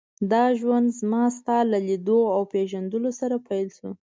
دا ژوند زما ستا له لیدو او پېژندلو سره پیل شو.